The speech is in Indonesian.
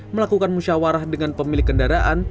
melakukan musyawarah dengan pemilik kendaraan